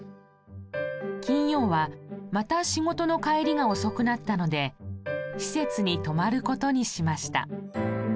金曜はまた仕事の帰りが遅くなったので施設に泊まる事にしました。